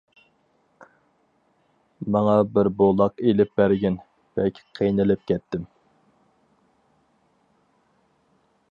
ماڭا بىر بولاق ئېلىپ بەرگىن، بەك قىينىلىپ كەتتىم.